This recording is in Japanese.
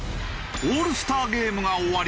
オールスターゲームが終わり